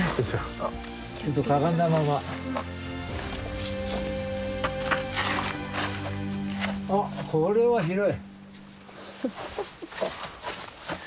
あっこれは広い。